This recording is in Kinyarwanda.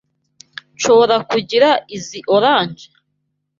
Nshobora kugira izoi orange?